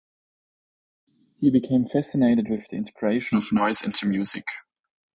He became fascinated with the integration of noise into music.